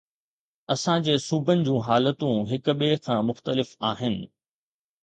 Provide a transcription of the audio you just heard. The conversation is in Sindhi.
اسان جي صوبن جون حالتون هڪ ٻئي کان مختلف آهن.